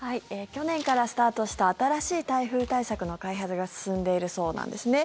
去年からスタートした新しい台風対策の開発が進んでいるそうなんですね。